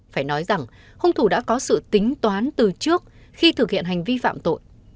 phải nói rằng hung thủ đã có sự tính toán từ trước khi thực hiện hành vi phạm tội